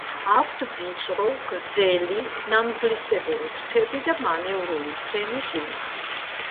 აქვთ ვიწრო, გრძელი, ნამგლისებური ფრთები და მანევრული ფრენის უნარი.